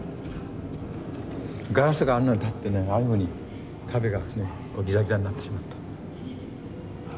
ガラスがあれに当たってねああいうふうに壁がギザギザになってしまった。